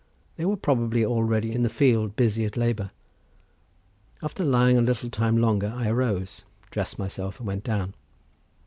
They were probably already in the field busy at labour. After lying a little time longer I arose, dressed myself and went down.